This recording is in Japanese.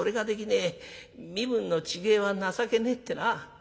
身分の違えは情けねえってな